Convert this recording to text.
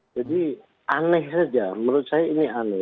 jadi aneh saja menurut saya ini aneh